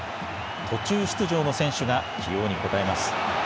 途中出場の選手が起用に応えます。